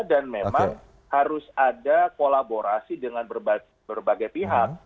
dan memang harus ada kolaborasi dengan berbagai pihak